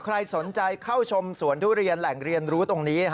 ใครสนใจเข้าชมสวนทุเรียนแหล่งเรียนรู้ตรงนี้